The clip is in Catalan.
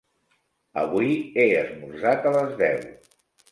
Avui he esmorzat a les deu.